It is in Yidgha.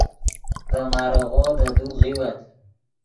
ڤے ماریغو دے دوک غیوت